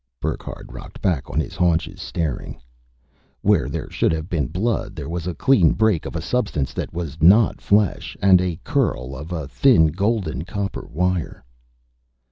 Burckhardt rocked back on his haunches, staring. Where there should have been blood, there was a clean break of a substance that was not flesh; and a curl of thin golden copper wire.